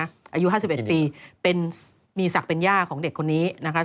อายุ๕๑ปีเป็นมีศักดิ์เป็นย่าของเด็กคนนี้นะคะ